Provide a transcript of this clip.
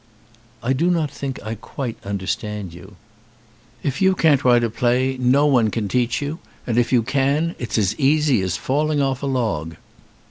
"I do not think I quite understand you." "If you can't write a play no one can teach 190 A STUDENT OT THE DRAMA you and if you can it's as easy as falling off a log."